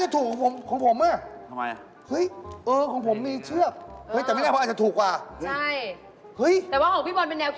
ถูกค่ะใช้ได้แล้วนี่นี่แน่